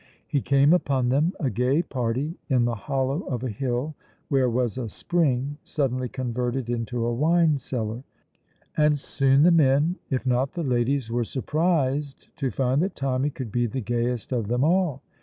He came upon them, a gay party, in the hollow of a hill where was a spring suddenly converted into a wine cellar; and soon the men, if not the ladies, were surprised to find that Tommy could be the gayest of them all.